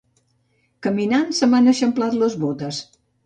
Caminant se m'han eixamplat les botes.